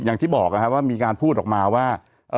อย่างที่บอกนะครับว่ามีการพูดออกมาว่า